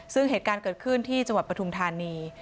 ซึ่งเหตุการณ์เกิดขึ้นที่จังหวัดปฐุมธานี